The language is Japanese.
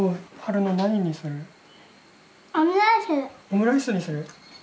オムライスにする？